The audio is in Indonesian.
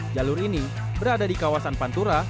jalur ini berada di kawasan pantura